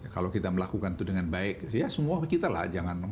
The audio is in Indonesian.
kalau kita melakukan itu dengan baik ya semua kita lah jangan